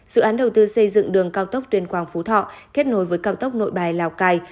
dự án đầu tư xây dựng đường cao tốc tuyên quang phú thọ kết nối với cao tốc nội bài lào cai